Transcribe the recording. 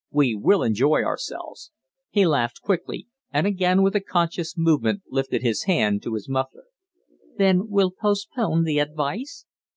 We will enjoy ourselves!" He laughed quickly, and again with a conscious movement lifted his hand to his muffler. "Then we'll postpone the advice?"